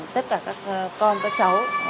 tất cả các con các cháu